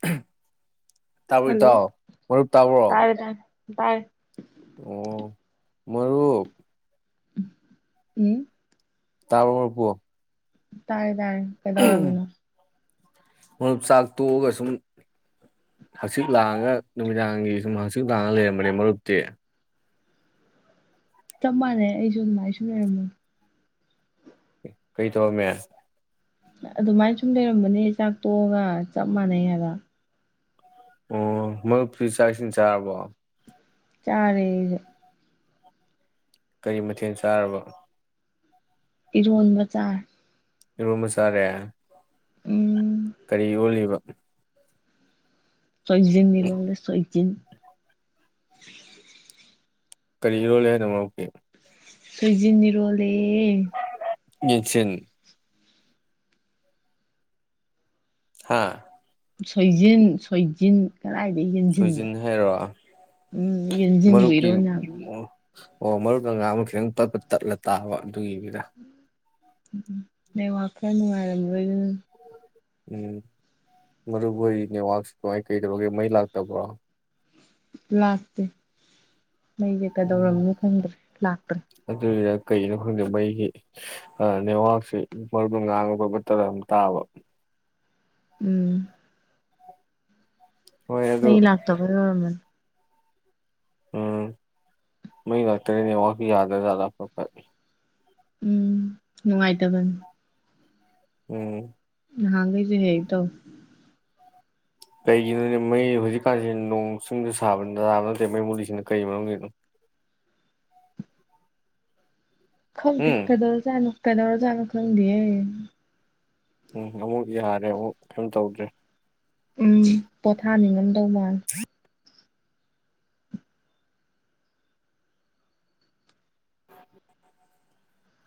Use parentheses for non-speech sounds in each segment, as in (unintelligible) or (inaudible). (unintelligible) ꯇꯥꯕꯣꯏ ꯇꯥꯎꯑꯣ ꯃꯔꯨꯞ ꯇꯥꯕ꯭ꯔꯣ ꯚꯏ ꯑꯣ ꯃꯔ ꯑꯦ ꯇꯔ ꯄꯣ ꯇꯥꯏ ꯌꯥ ꯀꯩꯗꯧꯔꯃꯤꯅꯣ ꯃꯔꯨꯞ ꯆꯥꯛ ꯇꯣꯛꯑꯒ ꯁꯨꯝ ꯍꯪꯆꯤꯠ ꯂꯥꯡꯉꯒ ꯅꯨꯃꯤꯗꯥꯡꯒꯤ ꯁꯨꯝ ꯍꯪꯆꯤꯠ ꯂꯥꯡꯉꯒ ꯂꯩꯔꯝꯕꯅꯦ ꯃꯔꯨꯞꯇꯤ ꯆꯞ ꯃꯥꯟꯅꯩ ꯑꯩꯁꯨ ꯅꯨꯡꯉꯥꯏꯁꯨ ꯂꯩꯔꯝꯃꯣ ꯀꯩ ꯇ ꯃ ꯑꯗꯨꯃꯥꯏꯅ ꯁꯨꯝ ꯂꯩꯔꯝꯕꯅꯦ ꯆꯥꯛ ꯇꯣꯛꯑꯒ ꯆꯞ ꯃꯥꯟꯅꯩ ꯍꯥꯏꯕ ꯑꯣ ꯃꯔꯨꯞꯁꯤ ꯆꯥꯛꯁꯤꯟ ꯆꯥꯔꯕꯣ ꯆꯥꯔꯁ ꯀꯔꯤ ꯃꯊꯦꯜ ꯆꯥꯔꯕ ꯏꯟꯕꯖꯥ ꯏꯔꯣꯝꯕꯥ ꯆꯥꯔꯦ ꯎꯝ ꯀꯔꯤ ꯑꯣꯜꯂꯤꯕ ꯆꯣꯏꯗꯟ ꯃꯤꯔꯑꯣꯦ ꯆꯣꯏꯗꯟ ꯀꯔꯤꯔꯣꯜꯂꯦ ꯍꯥꯏꯗꯀꯦ ꯁ꯭ꯣꯏꯖꯤꯅꯤ ꯔꯣꯂ ꯌꯦꯁ ꯍꯥꯥ ꯁꯣꯏꯖꯤꯟ ꯁꯣꯏꯖꯤꯟ ꯀꯗꯥꯥꯏꯗ ꯌꯦꯡꯁꯤꯟꯕ ꯁꯣꯏꯖꯤꯟ ꯍꯥꯏꯔꯣ ꯎꯝ ꯌꯦꯡꯁꯤꯟꯕꯨ ꯃꯔꯨꯞꯀꯤ ꯏꯔꯣ ꯌꯥꯕ ꯑꯣ ꯃꯔꯨꯞ ꯑ ꯉꯥꯡ ꯑꯃ ꯈꯤꯇꯪ ꯇꯠꯄ ꯇꯠꯂ ꯇꯥꯕ ꯑꯗꯨꯒꯤꯅꯤꯗ ꯅ ꯋꯥꯥꯛꯅꯨꯡ ꯃꯥꯔ ꯎꯝ ꯃꯔꯨ ꯍꯣꯏ ꯅꯦꯠꯋꯥꯛꯁꯤ ꯀꯃꯥꯏ ꯀꯩꯗꯧꯔꯒꯦ ꯃꯩ ꯂꯥꯛꯇꯕ꯭ꯔꯣ ꯂꯥꯁꯇꯦ ꯃꯩꯁꯦ ꯎꯝ ꯀꯩꯗꯧꯔꯝꯅꯣ ꯈꯪꯗ꯭ꯔꯦ ꯂꯥꯛꯇ꯭ꯔꯦ ꯑꯗꯨꯒꯤꯔ ꯀꯩꯒꯤꯅꯣ ꯈꯪꯗꯦ ꯃꯩꯒꯤ ꯅꯦꯠꯋꯥꯛꯁꯤ ꯃꯔꯨ ꯉꯥꯡꯉꯕ ꯕꯇꯔ ꯑꯃ ꯇꯥꯕ ꯎꯝ ꯍꯣꯏ ꯅ ꯑꯗꯨ ꯂꯥꯛꯇꯥ ꯐꯔ ꯃ ꯎꯝ ꯃꯩ ꯉꯥꯛꯇꯔꯤꯅꯦ ꯋꯥ ꯌꯥꯗ꯭ꯔꯖꯥꯗ ꯐ ꯐ ꯎꯝ ꯅꯨꯡꯉꯥꯏ ꯇꯕꯅꯤ ꯎꯝ ꯍꯪꯁꯨ ꯍꯦ ꯇꯧ ꯀꯩꯒꯤꯅꯣꯅꯦ ꯃꯩ ꯍꯧꯖꯤꯛꯀꯥꯟꯁꯤꯦ ꯅꯣꯡ ꯆꯤꯡꯗ ꯁꯥꯕꯅꯤ ꯥꯕ ꯅꯠꯇꯦ ꯃꯩ ꯃꯨꯂꯤꯁꯤꯅ ꯀꯩ ꯃꯔꯝꯒꯤꯅꯣ ꯈꯧꯗꯦ ꯎꯝ ꯀꯗꯜ ꯆꯅꯣ ꯀꯩꯅꯔꯣꯖꯅ ꯈꯪꯗꯤꯦꯌꯦ ꯎꯝ ꯑꯃꯨꯛ ꯌꯥꯔꯦ ꯑꯃꯨꯛ ꯀꯩꯝ ꯇꯧꯗ꯭ꯔꯦ ꯎꯝ ꯄꯊꯥꯅꯤꯉ ꯧꯃꯥꯟ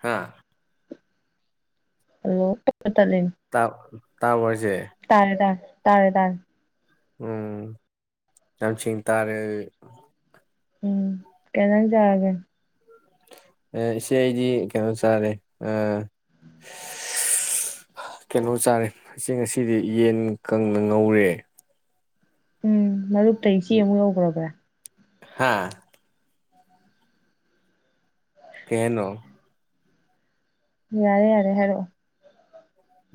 ꯍꯥꯥ ꯍꯜꯂꯣ ꯇꯥꯎ ꯇꯥ ꯏꯆꯦ ꯇꯥꯥꯏꯦ ꯇꯥꯏꯦ ꯇꯥꯔꯦ ꯇꯥꯔꯦ ꯎꯝ ꯅꯁꯤ ꯇꯥꯔꯦ ꯎꯝ ꯀꯩꯅ ꯆꯒꯦ ꯏꯆꯦ ꯑꯩꯗꯤ ꯀꯩꯅꯣ ꯆꯥꯔꯦ ꯀꯩꯅꯣ ꯆꯥꯔꯦ ꯏꯆꯦ ꯉꯁꯤꯗꯤ ꯌꯦꯟ ꯀꯪꯅ ꯉꯧꯔꯦ ꯎꯝ ꯃꯔꯗꯨ ꯁꯤ ꯑꯃꯨꯛ ꯌꯧꯈ꯭ꯔꯕ꯭ꯔꯥ ꯍꯥꯥ ꯀꯩꯅꯣ ꯌꯥꯔꯦ ꯌꯥꯔꯦ ꯍꯥꯏꯔꯛꯑꯣ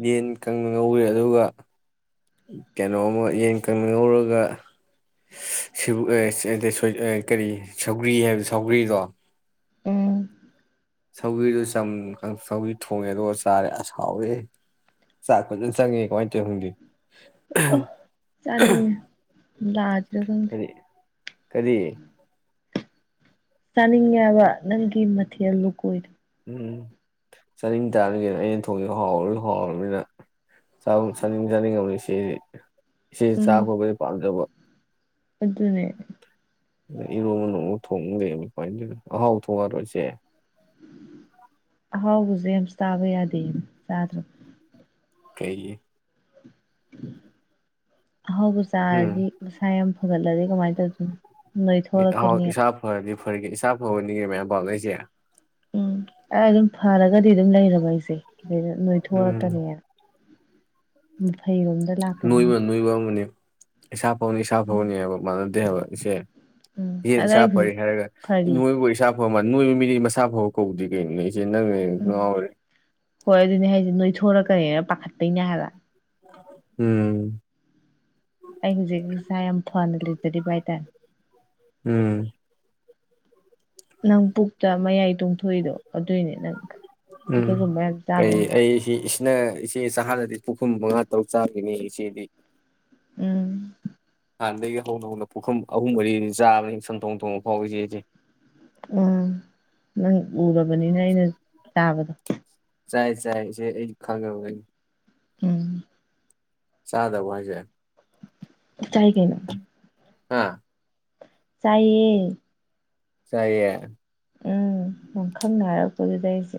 ꯌꯦꯟ ꯀꯪꯅ ꯉꯧꯋꯦ ꯑꯗꯨꯒ ꯀꯩꯅꯣꯃ ꯌꯦꯟ ꯀꯪꯅ ꯉꯧꯔꯒ ꯀꯔꯤ ꯁꯧꯒ꯭ꯔꯤ ꯍꯥꯏꯕ ꯁꯧꯒ꯭ꯔꯤꯗꯣ ꯎꯝ ꯁꯧꯕꯤꯔꯤꯗꯨ ꯁꯧꯕꯤꯔꯤ ꯊꯣꯡꯉꯦ ꯑꯗꯨꯒ ꯆꯥꯔꯦ ꯑꯁꯥꯎꯔꯦ ꯆꯥꯛ ꯐꯖꯅ ꯆꯪꯉꯦ ꯀꯃꯥꯏꯅ ꯇꯧꯋꯤ ꯈꯪꯗꯤ ꯑꯣ ꯆꯅꯤꯡ ꯂꯥꯗ꯭ꯔꯒ ꯀꯔꯤ ꯀꯔꯤ ꯆꯅꯤꯡꯉꯕ ꯅꯟ ꯤꯃꯊꯤ ꯑꯜꯂꯨ ꯀꯣꯏꯔ ꯎꯝ ꯆꯥꯅꯤꯡ ꯆꯥꯔꯤ ꯀꯦꯅ ꯑꯩꯅ ꯊꯣꯡꯁꯦ ꯍꯥꯎꯣꯏ ꯍꯥꯎꯔꯕꯅꯤꯅ ꯆꯥꯅꯤꯡ ꯆꯥꯅꯤꯡꯉꯕꯅꯤ ꯁꯤꯦꯗꯤ ꯁꯤ ꯆꯥꯧꯕꯩ ꯄꯥꯝꯖꯕ ꯑꯗꯨ ꯑꯗꯨꯅꯦ ꯏꯔꯣꯕ ꯅꯣꯡꯃ ꯊꯣꯡꯉꯗꯕ ꯀꯃꯥꯏꯗꯅꯣ ꯑꯍꯥꯎ ꯊꯣꯡꯉꯔꯣꯏꯁꯦ ꯍꯥꯎ ꯍꯧꯁꯦ ꯑꯃꯁꯁꯨ ꯇꯥꯕ ꯌꯥꯗꯦ ꯆꯥꯗ꯭ꯔꯣ ꯀꯩꯌꯦ (inaudible) ꯑꯍꯥꯎꯕ ꯎꯝ ꯆꯥꯔꯗꯤ ꯃꯁꯥ ꯌꯥꯝ ꯐꯒꯠꯂꯗꯤꯦ ꯀꯃꯥꯏ ꯇ ꯑꯗꯨꯅ ꯏ ꯊꯣ ꯍꯗꯛꯛꯇꯅꯤ ꯐꯒꯤꯦ ꯏꯁꯥ ꯐꯕꯅꯤꯒꯤ ꯃꯌꯥꯝ ꯄꯥꯎ ꯂꯩꯁꯦ ꯎꯝ ꯑꯩ ꯑꯗꯨꯝ ꯐꯔꯒꯗꯤ ꯑꯗꯨꯝ ꯂꯩꯔꯕ ꯑꯩꯁꯦ ꯑꯗꯨꯩ ꯎꯝ ꯅꯣꯏꯊꯣꯛꯑꯀꯅꯤꯉ ꯎꯝ ꯅꯣꯏꯕ ꯅꯣꯏ ꯋꯥ ꯑꯃꯒꯅꯤ ꯏꯁꯥ ꯐꯧꯅꯤ ꯏꯁꯥ ꯎꯝ ꯐꯧꯅꯤ ꯍꯥꯏꯕ ꯃꯥꯟꯅꯗꯦ ꯍꯥꯏꯕ ꯏꯆꯦ ꯎꯝ ꯏꯆꯦ ꯑꯗ ꯑꯩ ꯏꯁꯥ ꯐꯔ ꯍꯧꯖꯤꯛ ꯍꯥꯏꯔꯒ ꯏ ꯐꯔꯤ ꯅꯣꯏꯕꯨ ꯏꯁꯥ ꯑꯃ ꯅꯣꯏꯕ ꯃꯤꯗꯤ ꯃꯥ ꯐꯕ ꯀꯧꯗ꯭ꯔꯤ ꯀꯩꯅꯣ ꯑꯩ ꯎꯝ ꯍꯣꯏ ꯑꯗꯨꯅꯦ ꯍꯥꯏꯗꯤ ꯅꯣꯏ ꯊꯣꯔꯛ ꯈꯔꯦ ꯄꯥꯈꯠꯠꯇꯅ ꯍꯥꯏꯒ ꯎꯝ ꯑꯩ ꯍꯧꯖꯤꯁꯥꯏ ꯐꯅꯇꯗꯤ ꯄꯥꯏ ꯇ ꯎꯝ ꯅꯪ ꯄꯨꯛꯇ ꯃꯌꯥꯏ ꯇꯣꯡꯊꯣꯛꯏꯗꯣ ꯑꯗꯨꯏꯅꯦ ꯅꯪ ꯎꯝ ꯑꯗꯨꯒꯨꯝꯕ ꯌꯥꯝ ꯀꯩ ꯆꯥꯕꯩꯅꯤ ꯑꯩꯁꯤ ꯁꯤꯅ ꯏꯆꯦ ꯆꯍꯥꯗꯗꯤ ꯄꯨꯈꯨꯝ ꯃꯉꯥ ꯇꯔꯨꯛ ꯆꯥꯔꯤꯅꯦ ꯏꯆꯦꯗꯤ ꯎꯝ ꯍꯥꯟꯅꯗꯒꯤ ꯍꯧꯅ ꯍꯧꯅ ꯄꯨꯈꯝ ꯑꯍꯨꯝ ꯃꯔꯤꯁꯤ ꯆꯥꯕꯅꯤ ꯁꯝꯊꯣꯡ ꯊꯣꯡꯕ ꯐꯥꯎꯁꯦ ꯑꯩꯁꯦ ꯎꯝ ꯅꯪ ꯎꯔꯕꯅꯤꯅ ꯑꯩꯅ ꯆꯥꯕꯗꯣ ꯆꯥꯏ ꯆꯥꯏꯁ ꯑꯩ ꯈꯪꯒꯦ ꯑꯣꯏ ꯎꯝ ꯁꯥꯗ ꯑꯋꯥꯖꯦ ꯀꯥꯏ ꯀꯩꯅ ꯑꯥ ꯆꯥꯏꯌꯦ ꯁꯔꯤ ꯎꯝ ꯃꯈꯪꯅ ꯍꯥꯏꯔꯛꯄꯗꯨꯗ ꯑꯩꯁꯦ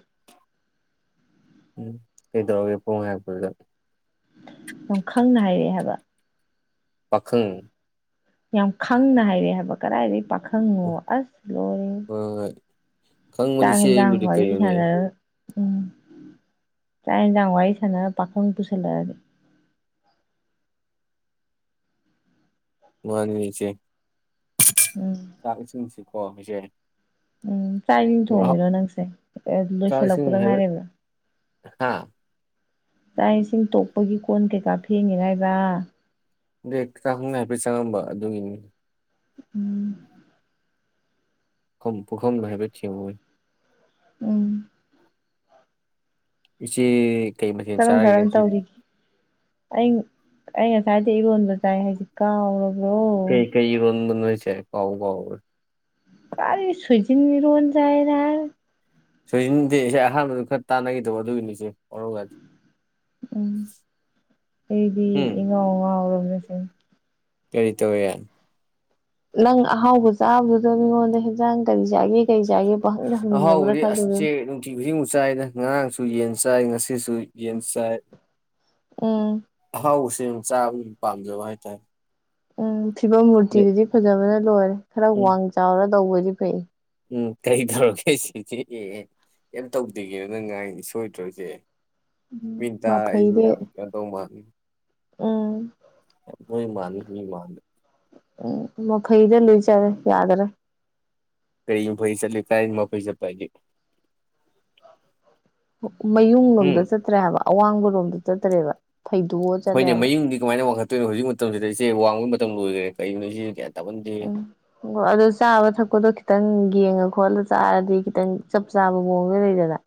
ꯎꯝ ꯏꯗ꯭ꯔꯣꯒꯒꯤꯄꯣꯉ ꯍꯥꯏꯄꯤꯗ ꯌꯥꯝ ꯈꯪꯅ ꯍꯥꯏꯔꯛꯑꯦ ꯍꯥꯏꯕ ꯄꯥꯈꯪ ꯌꯥꯝ ꯈꯪꯅ ꯍꯥꯏꯔꯦ ꯍꯥꯏꯕ ꯀꯗꯥꯏꯗꯒꯤ ꯄꯥꯈꯪꯉꯣ ꯍꯣꯏ ꯑꯁ ꯂ꯭ꯂꯣꯌꯔꯤ ꯍꯣꯏ ꯇ ꯈꯪꯕꯅꯤ ꯏꯆꯦ ꯇꯥꯡ ꯑꯩꯕꯨꯗꯤ ꯋꯥꯔꯤ ꯋꯥꯔꯤ ꯀꯩꯅꯣꯅꯦ ꯁꯅ ꯎꯝ ꯇꯥꯏ ꯌꯥ ꯋꯥꯏꯁꯅ ꯄꯥꯈꯣꯟ ꯇꯨꯁꯂꯦ ꯋꯥꯟꯕꯤꯁ ꯎꯝ ꯆꯔ ꯁꯁꯤ ꯍꯣꯝꯁꯅꯦ ꯎꯝ ꯆꯥꯛ ꯏꯅꯤꯡ ꯊꯣꯡꯉꯔꯣ ꯅꯪꯁꯦ ꯆꯥꯛ ꯏꯁꯤꯡ ꯂꯣꯏꯁꯤꯜꯂꯛꯄꯗ ꯍꯥꯏꯕ ꯉꯥꯏꯔꯤꯕ꯭ꯔꯥ ꯍꯥ ꯆꯥꯛ ꯏꯁꯤꯡ ꯇꯣꯛꯄꯒꯤ ꯀꯣꯟ ꯀꯩꯀꯥ ꯐꯦꯡꯉꯦꯔꯏꯕ ꯑꯦꯇꯥꯛꯈꯪꯅ ꯍꯥꯏꯐꯦꯠ ꯆꯪꯉꯝꯕ ꯑꯗꯨꯒꯤꯅꯤ ꯎꯝ ꯄꯨꯈꯝꯅ ꯍꯥꯏꯦꯕ ꯆ ꯃꯣꯏ ꯎꯝ ꯏꯆꯦ ꯀꯩ ꯃꯊꯦꯜ ꯀꯔꯝ ꯆꯥꯒꯦ ꯀꯔꯝ ꯁꯤꯗꯤ ꯇꯧꯔꯤꯒꯦ ꯑꯩ ꯑꯩ ꯉꯁꯥꯏꯗ ꯏꯔꯣꯟꯕ ꯆꯥꯏ ꯍꯥꯏꯁꯤ ꯀꯥꯎꯔꯕ ꯀꯩ ꯀꯩꯒꯅ ꯆꯦ ꯀꯥꯎ ꯀꯎ ꯀꯔꯤ ꯁꯏꯗꯤꯡ ꯃꯤꯔꯣꯟꯖꯥꯏꯔ ꯁꯣꯏꯖꯤꯟꯗꯦ ꯏꯁꯩ ꯑꯍꯥꯟꯕꯗ ꯈꯔ ꯇꯥꯟꯅꯈꯤꯗꯧꯕ ꯑꯗꯨꯒꯤꯅꯤꯆꯦ ꯑꯣꯔꯒꯗꯤ ꯎꯝ ꯑꯩꯗꯤ ꯎꯝ ꯏꯉꯥꯎ ꯉꯥꯎꯔꯝꯃꯦ (unintelligible) ꯀꯔꯤ ꯇꯧ ꯌꯥꯟ ꯅꯪ ꯑꯍꯥꯎꯕ ꯆꯥꯕꯗꯨꯗ ꯃꯤꯉꯣꯟꯗ ꯍꯦꯟꯖꯥꯡ ꯀꯔꯤ ꯆꯥꯒꯦ ꯀꯔꯤ ꯆꯥꯒꯦ ꯄꯪꯍꯪꯗ ꯍꯪꯅꯤꯡꯉꯕ꯭ꯔꯥ ꯑꯍꯥꯎꯕꯗꯤ ꯑꯁꯁꯦ ꯈꯜꯂꯨꯔꯦꯉꯣ ꯅꯨꯡꯇꯤ ꯈꯨꯗꯤꯡ ꯑꯃꯛ ꯆꯥꯏꯗꯅ ꯉꯔꯥꯡ ꯑꯗꯨꯨ ꯌꯦꯟ ꯆꯥꯏ ꯉꯁꯤ ꯁꯨ ꯌꯦꯟꯁꯥꯏ ꯎꯝ ꯍꯥꯎ ꯆꯥꯕ ꯄꯥꯝꯖꯕ ꯍꯥꯏꯇꯥꯔꯦ ꯎꯝ ꯐꯤꯕꯝ ꯃꯨꯔꯇꯤꯗꯨꯗꯤ ꯐꯖꯕ꯭ꯔꯥ ꯂꯣꯏ ꯈꯔ ꯎꯝ ꯋꯥꯡꯒ ꯆ ꯑꯣꯔ ꯂꯎꯋꯗꯤ ꯐꯩ ꯎꯝ ꯀꯔꯤ ꯇꯧꯔꯒꯦ ꯁꯤꯁꯦ ꯑꯦ ꯀ ꯇꯧꯗ꯭ꯒꯦ ꯅꯪ ꯉꯥꯏꯅꯤ ꯁꯣꯏꯗ꯭ꯔꯣꯁꯦ ꯎꯝ ꯃꯤꯟꯇꯥ ꯑꯩꯁꯨ ꯃꯐꯩꯗꯤ ꯌꯥꯝ ꯀꯩꯅꯣ ꯇꯧ ꯃꯥ ꯎꯝ ꯃꯣꯏ ꯃꯥꯅꯤ ꯃꯤ ꯃꯥꯅꯤ ꯎ ꯃ ꯐꯩꯗꯜꯂꯤ ꯆ ꯌꯥꯗꯔ ꯀꯔꯤ ꯄꯩꯁ ꯂꯩ ꯀꯥꯏ ꯃꯥ ꯄꯩꯁ ꯄꯥꯏꯦ ꯎꯝ ꯃꯌꯨꯡꯂꯣꯝꯗ ꯆꯠꯇ꯭ꯔꯦꯕ ꯑꯋꯥꯡꯕ ꯂꯣꯝꯗ ꯆꯠꯇꯔꯦꯕ ꯍꯣꯏꯅꯦ ꯃꯌꯨꯝꯗꯤ ꯀꯃꯥꯏꯅ ꯋꯥꯡꯈꯠ ꯀꯣꯏꯅꯣ ꯍꯧꯖꯤꯛ ꯃꯇꯝꯁꯤꯗ ꯏꯆꯦ ꯋꯥꯡꯕꯒꯤ ꯃꯇꯝ ꯂꯣꯏꯈ꯭ꯔꯦ ꯀꯔꯤꯒꯤꯅꯣ ꯁꯤꯦ ꯀꯌꯥ ꯎꯝ ꯑꯣ ꯑꯗꯨ ꯆꯥꯕ ꯊꯛꯄꯗꯣ ꯈꯤꯇꯪ ꯌꯦꯡꯉ ꯈꯣꯠꯂ ꯆꯥꯔꯗꯤ ꯈꯤꯇꯪ ꯆꯞ ꯆꯥꯕ ꯃꯑꯣꯡꯗ ꯂꯩꯗꯅ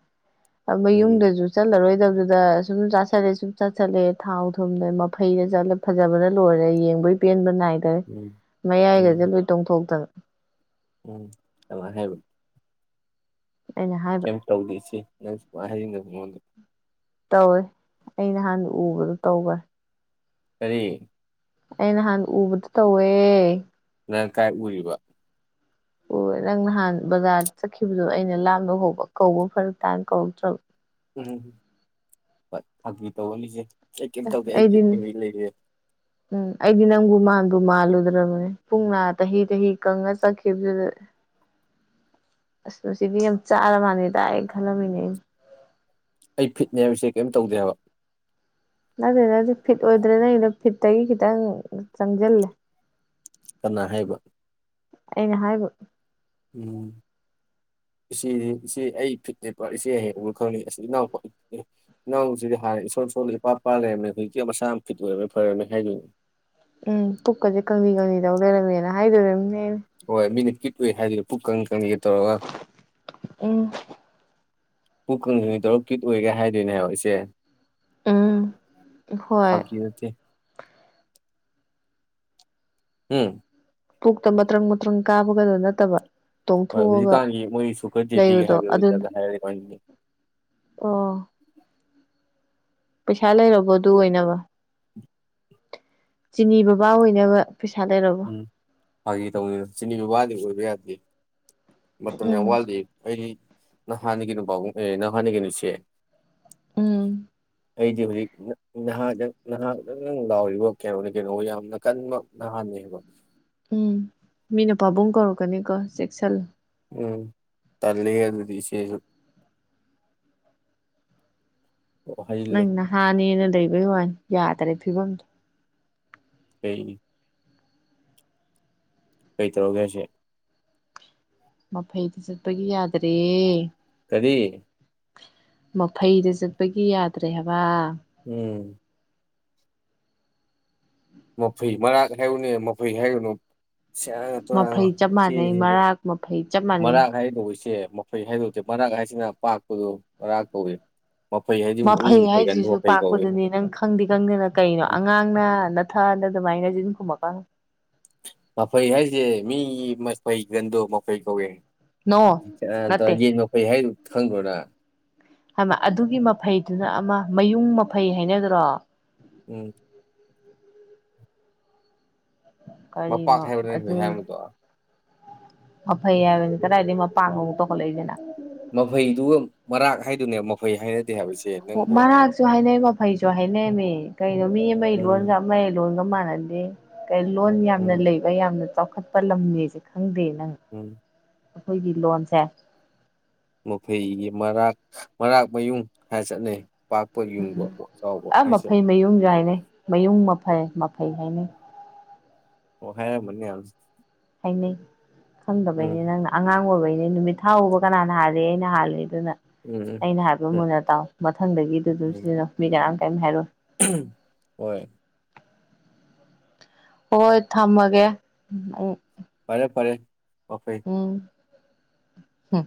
ꯑꯃ ꯎꯝ ꯌꯨꯝꯗꯁꯨ ꯆꯠꯂꯔꯣꯏꯗꯕꯗꯨ ꯁꯨꯝ ꯆꯥꯁꯤꯜꯂꯦ ꯁꯨꯝ ꯆꯥꯥꯁꯜꯂꯦ ꯊꯥꯎ ꯊꯨꯝꯗ ꯃꯐꯩꯗ ꯆꯠꯂꯦ ꯐꯖꯕꯅ ꯂꯣꯏꯔꯦ ꯌꯦꯡꯕꯩ ꯄꯦꯟꯕ ꯅꯥꯏ ꯎꯝ ꯎꯝ ꯃꯥꯏꯒꯣꯏꯣꯡꯣ ꯍꯧꯇ ꯎꯝ ꯑ ꯍꯦꯕ ꯑꯩꯅ ꯍꯥꯏꯕ ꯀꯩꯝ ꯇꯧꯗꯦ ꯁꯤ ꯅꯪꯁꯨ ꯍꯥꯏꯔꯤꯉ ꯃꯉꯣꯟꯗ ꯇꯧꯋꯦ ꯑꯩ ꯅꯍꯥꯟꯗ ꯎꯕꯗꯣ ꯇꯧꯕ꯭ꯔ ꯁꯔꯤ ꯑꯩ ꯅꯍꯥꯟ ꯎꯕꯗ ꯇꯧꯋꯦ ꯅꯪ ꯀꯥꯏ ꯎꯔꯤꯕ ꯍ ꯅꯪ ꯅꯍꯥꯟ ꯕꯖꯥꯔ ꯆꯠꯈꯤꯕꯗꯣ ꯑꯩꯅ ꯂꯥꯕ ꯍꯧꯕ ꯀꯧꯕ ꯐꯔꯛ ꯇꯥꯅ ꯀꯧꯔꯛꯇ꯭ꯔꯕ ꯎꯝ ꯊꯒꯤ ꯇꯧꯕꯅꯤꯁꯦ ꯑꯩꯗꯤꯟ ꯎꯝ ꯑꯩꯗꯤꯟ ꯅꯪꯨ ꯃꯥ ꯑꯗꯨ ꯃꯥꯜꯂꯨꯗ꯭ꯔꯕꯅꯦ ꯄꯨꯡꯅ ꯆꯍꯤ ꯆꯍꯤ ꯀꯪꯉ ꯆꯠꯈꯤꯕꯗꯨꯗ ꯑꯁ ꯃꯁꯤꯗꯤ ꯌꯥꯝ ꯆꯥꯔ ꯃꯥꯜꯂꯦ ꯇꯥꯛꯥꯏꯑꯅ ꯈꯜꯂꯝꯃꯤꯅꯦ ꯑꯩꯅ ꯑꯩ ꯐꯤꯠꯅꯦ ꯍꯥꯏꯕꯁꯦ ꯀꯩꯝ ꯇꯧꯗꯦ ꯍꯥꯏꯕ ꯑꯗꯨꯗ ꯅꯗꯤ ꯐꯤꯠ ꯑꯣꯏꯗ꯭ꯔꯦꯅꯩꯅ ꯐꯤꯠ ꯇꯒꯤ ꯈꯤꯇꯪ ꯆꯪꯁꯤꯜꯂꯦ ꯀꯅꯥ ꯍꯥꯏꯕ ꯑꯩꯅ ꯍꯥꯏꯕ ꯎꯝ ꯏꯆꯦꯗꯤ ꯏꯆꯦ ꯑꯩ ꯐꯤꯠꯅꯦꯕ ꯏꯆꯦ ꯍꯌꯦꯕ ꯈꯪꯉꯤ ꯑꯁꯤ ꯏꯅꯥꯎ ꯏꯅꯥꯎꯁꯤꯗꯤ ꯍꯥꯟꯅ ꯏꯁꯣꯔ ꯁꯣꯟ ꯏꯄꯥ ꯏꯄꯥ ꯂꯩꯔꯝꯃꯦ ꯍꯧꯖꯤꯛꯇꯤꯦ ꯃꯁꯥ ꯌꯥꯝ ꯐꯤꯠ ꯑꯣꯏꯔꯝꯃꯦ ꯐꯔꯝꯃꯦ ꯍꯥꯏꯗꯣꯏꯅꯦ ꯎꯝ ꯄꯨꯛꯀꯁꯦ ꯀꯪꯂꯤ ꯀꯪꯂꯤꯗꯧ ꯂꯩꯔꯝꯃꯦꯅ ꯍꯥꯏꯗꯣꯏꯔꯝ ꯍꯣꯏ ꯃꯤꯅꯤ ꯀꯠ ꯑꯣꯏꯏ ꯍꯥꯏꯗꯤ ꯄꯨꯛ ꯆꯤꯠꯇꯂꯕ ꯎꯝ ꯄꯨꯡ ꯀ ꯍꯅꯤ ꯇꯔꯨꯛꯀꯤꯨꯠ ꯑꯣꯏꯒꯦ ꯍꯥꯏꯗꯣꯏꯅꯦ ꯍꯥꯏꯑꯣ ꯑꯩꯆꯦ ꯎꯝ ꯍꯣꯏ ꯐꯀꯤꯠꯇꯦ ꯎꯝ ꯗꯣ ꯅꯠꯇꯕ ꯍꯣꯏ ꯇꯣꯡꯊꯣꯛꯑꯒ ꯍꯧꯖꯤꯛꯀꯥꯟꯗꯤ ꯃꯣꯏ ꯁꯨꯈꯗꯦꯗꯤꯒ ꯂꯩꯕꯗꯣ ꯑꯗꯨꯅ ꯍꯥꯏꯕꯗꯣꯖꯤ ꯍꯥꯏꯔ ꯑꯣ ꯄꯩꯁꯥ ꯂꯩꯔꯕꯣ ꯑꯗꯨ ꯑꯣꯏꯅꯕ ꯆꯤꯅꯤ ꯕꯕꯥ ꯑꯣꯏꯅꯕ ꯄꯩꯁꯥ ꯂꯩꯔꯕꯣ ꯎꯝ ꯐꯥꯒꯤ ꯇꯧꯅꯤꯅ ꯆꯤꯅꯤ ꯕꯕꯥꯗꯤ ꯑꯣꯏꯕ ꯌꯥꯗꯦ ꯃꯇꯝ ꯌꯥꯝ ꯎꯝ ꯋꯥꯜꯗꯤ ꯑ ꯅ ꯍꯅꯤ ꯀꯩꯅ ꯅꯈꯅꯤ ꯀꯩꯅꯨ ꯎꯆ ꯎꯝ ꯑꯩꯗꯤ ꯍꯧꯖꯤꯛ ꯅꯍꯥꯛ ꯅꯍꯥꯛꯗꯪ ꯂꯥꯎꯔꯤꯕ ꯀꯩꯅꯣꯅꯤ ꯀꯩꯅꯣ ꯌꯥꯝꯅ ꯀꯟꯕ ꯅꯍꯥꯟꯅꯦ ꯍ ꯎꯝ ꯃꯤꯅ ꯄꯥꯕꯨꯡ ꯀꯧꯔꯛꯀꯅꯤꯀꯣ ꯆꯦꯛꯁꯤꯜ ꯎꯝ ꯇꯜꯂꯤꯒ ꯑꯗꯨ ꯑꯗꯨꯗꯤ ꯆ ꯅꯪꯅ ꯍꯥꯅꯤꯅ ꯂꯩꯕꯩ ꯋꯥꯏ ꯌꯥꯗ꯭ꯔꯦ ꯐꯤꯕꯝꯗꯣ ꯀ ꯀꯩ ꯇꯔꯣꯒꯦꯁ ꯃꯐꯩꯗꯤ ꯆꯠꯄꯒꯤ ꯌꯥꯗ꯭ꯔꯦ ꯀꯔꯤ ꯃꯐꯩꯗ ꯆꯠꯄꯒꯤ ꯌꯥꯗ꯭ꯔꯦ ꯍꯥꯏꯕ ꯎꯝ ꯃꯐꯩ ꯃꯔꯥꯛ ꯍꯥꯏꯌꯨꯅꯦ ꯃꯐꯩ ꯍꯥꯏꯌꯨꯅꯨ ꯁꯤ ꯃꯐꯩ ꯆꯞ ꯃꯥꯟꯅꯩ ꯏꯆ ꯃꯔꯥꯛ ꯃꯐꯩ ꯆꯞ ꯃꯥꯟꯅꯩ ꯃꯔꯥꯡ ꯍꯥꯏꯥꯏꯗꯧꯔꯤꯁꯦ ꯃꯈꯐꯩ ꯍꯥꯏꯗꯣꯛꯇꯦ ꯃꯔꯛ ꯍꯥꯏꯁꯤꯅ ꯄꯥꯛꯄꯗꯨꯣ ꯃꯔꯥ ꯀꯧꯏ ꯃꯐꯩ ꯍꯥꯏꯗꯤ ꯃꯤ ꯃꯐꯩ ꯃꯐꯩꯒꯟꯗꯣ ꯍꯥꯏꯁꯤꯁꯨ ꯃꯐꯩ ꯀꯧꯏ ꯄꯥꯛꯄꯗꯨꯅꯤ ꯅꯪ ꯈꯪꯗꯦ ꯈꯪꯗꯦꯅ ꯀꯩꯅꯣ ꯑꯉꯥꯡꯅ ꯊꯥꯗ ꯑꯗꯨꯃꯥꯏꯅꯖꯤꯅ ꯈꯃꯀꯥꯟ ꯀꯩ ꯟꯗꯣ ꯃ ꯀꯩ ꯀꯧꯏ ꯅꯣ ꯌꯦꯟ ꯅꯠꯇꯦ ꯃꯐꯩ ꯀꯣꯏ ꯍꯥꯏ ꯈꯪꯗꯔꯣ ꯅꯪ ꯍꯥꯏꯃ ꯑꯗꯨꯒꯤ ꯃꯐꯩꯗꯨꯅ ꯑꯃ ꯃꯌꯨꯡ ꯃꯐꯩ ꯍꯥꯏꯅꯗ꯭ꯔꯣ ꯎꯝ ꯃꯄꯥꯛ ꯀꯔꯤꯅꯣ ꯈꯥꯏꯕ ꯖꯥꯏ ꯃꯗꯣ ꯐꯩ ꯍꯥꯏꯕꯅꯤ ꯀꯗꯥꯏꯗꯒꯤ ꯃꯄꯥꯛꯃꯨꯛ ꯇꯧꯈꯠꯂꯛꯏꯗꯅ ꯃꯐꯩꯗꯨꯒ ꯃꯔꯥꯛ ꯍꯥꯏꯗꯨꯅꯦ ꯃꯐꯩꯍꯥꯏꯅ ꯑꯣ ꯃꯔꯥꯛꯁꯨ ꯍꯥꯏꯅꯩ ꯃꯈ ꯐꯩꯁꯨ ꯍꯥꯏꯅꯩꯃꯤ ꯀꯩꯅꯣ ꯃꯤ ꯑꯃꯒꯤ ꯂꯣꯟꯒ ꯎꯝ ꯑꯃ ꯂꯣꯟꯒ ꯃꯥꯥꯟꯅ ꯍꯥꯏꯗꯤ ꯂꯣꯟ ꯌꯥꯝꯅ ꯎꯝ ꯂꯩꯕ ꯌꯥꯝꯅ ꯆꯥꯎ ꯆꯥꯎꯈꯠꯄ ꯂꯝꯅꯦꯁꯦ ꯈꯪꯗꯦꯅ ꯎꯝ ꯑꯩꯈꯣꯏꯒꯤ ꯂꯣꯟꯁꯦ ꯃꯐꯩꯒꯤ ꯃꯔꯥꯛ ꯃꯔꯥꯛꯃꯌꯨꯡ ꯍꯥꯏ ꯆꯠꯅꯩ ꯄꯥꯛꯄ ꯌꯨꯡꯕ ꯎꯝ ꯆꯥꯎꯕ ꯑ ꯍꯥꯏꯁꯦ ꯃꯐꯩ ꯃꯌꯨꯡ ꯌꯥꯥꯏꯅꯦ ꯃꯌꯨꯡ ꯃꯐꯩ ꯃꯐꯩ ꯍꯥꯏꯅꯩ ꯑꯣ ꯍ ꯃꯅꯤ ꯑ (unintelligible) ꯈꯪꯗꯕꯩꯅꯦ ꯅꯪꯅ ꯑꯉꯥꯡ ꯑꯣꯏꯕꯩꯅꯤ ꯅꯨꯃꯤꯠ ꯊꯥ ꯎꯕ ꯀꯅꯥꯅ ꯍꯥꯜꯂꯦ ꯑꯩꯅ ꯍꯥꯜꯂꯦꯕ ꯑꯗꯨꯅ ꯎꯝ ꯎꯝ ꯑꯩꯅ ꯍꯥꯏꯕ ꯎꯝ ꯃꯨꯟꯅ ꯇꯥꯎ ꯃꯊꯪꯗꯒꯤꯗꯨ ꯑꯗꯨꯝ ꯎꯝ ꯁꯤꯗꯅꯣ ꯃꯤ ꯀ ꯀꯩꯅ ꯍꯥꯏꯔꯣ ꯍꯣꯏ ꯍꯣꯏ ꯊꯝꯃꯒꯦ ꯎ ꯐꯔꯦ ꯐꯔꯦ ꯃꯐꯩ ꯎ ꯍꯝ